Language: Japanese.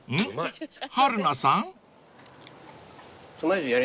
春菜さん？］